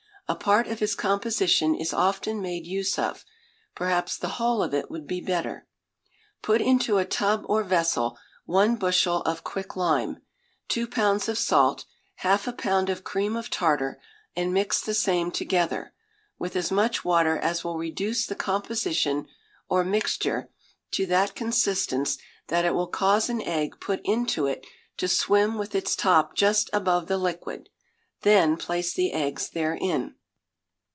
A part of his composition is often made use of perhaps the whole of it would be better. Put into a tub or vessel one bushel of quicklime, two pounds of salt, half a pound of cream of tartar, and mix the same together, with as much water as will reduce the composition, or mixture, to that consistence that it will cause an egg put into it to swim with its top just above the liquid; then place the eggs therein.